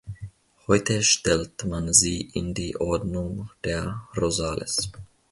Heute stellt man sie in die Ordnung der Rosales.